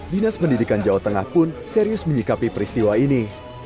dinas pendidikan jawa tengah pun serius menyikapi peristiwa ini